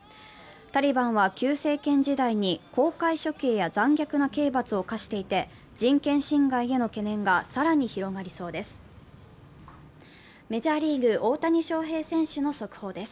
タリバンは旧政権時代に公開処刑や残虐な刑罰を科していて人権侵害への懸念が更に広がりそうです。